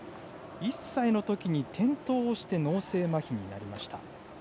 １歳のときに転倒して脳性まひになりました。